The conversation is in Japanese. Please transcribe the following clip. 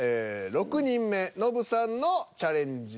６人目ノブさんのチャレンジです。